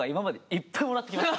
「いっぱいもらってきました」？